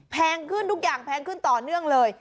แพงขึ้นทุกอย่างแพงขึ้นต่อเนื่องเลย